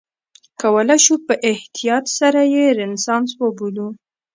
کولای شو په احتیاط سره یې رنسانس وبولو.